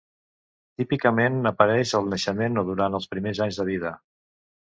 Típicament apareix al naixement o durant els primers anys de vida.